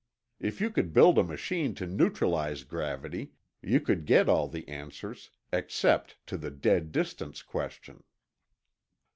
If you could build a machine to neutralize gravity, you could get all the answers, except to the 'dead distance' question.